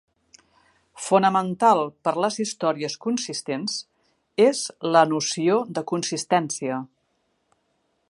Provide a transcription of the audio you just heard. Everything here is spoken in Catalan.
Fonamental per les històries consistents és la noció de consistència.